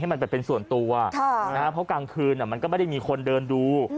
มันแบบเป็นส่วนตัวเพราะกลางคืนมันก็ไม่ได้มีคนเดินดู